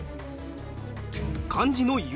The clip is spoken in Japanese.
漢字の弓。